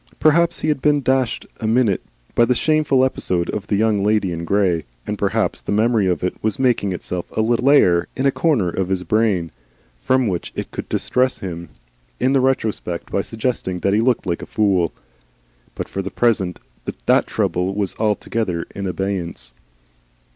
Perhaps he had been dashed a minute by the shameful episode of the Young Lady in Grey, and perhaps the memory of it was making itself a little lair in a corner of his brain from which it could distress him in the retrospect by suggesting that he looked like a fool; but for the present that trouble was altogether in abeyance.